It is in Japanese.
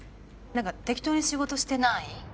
何か適当に仕事してない？